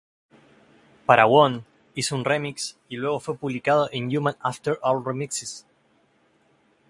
Para One hizo un remix que luego fue publicado en Human After All Remixes.